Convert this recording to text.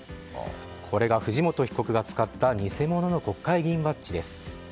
これが藤本被告が使った偽物の国会議員バッジです。